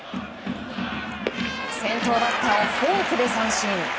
先頭バッターフォークで三振。